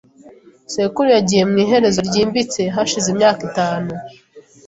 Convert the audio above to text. Sekuru yagiye mu iherezo ryimbitse hashize imyaka itanu .